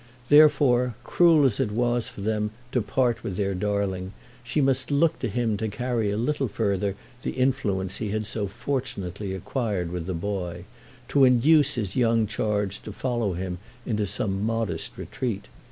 Therefore cruel as it was to them to part with their darling she must look to him to carry a little further the influence he had so fortunately acquired with the boy—to induce his young charge to follow him into some modest retreat.